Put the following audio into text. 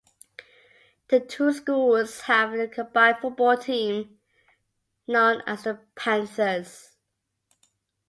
The two schools have a combined football team, known as the Panthers.